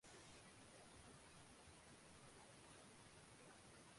柔瓣美人蕉为美人蕉科美人蕉属的植物。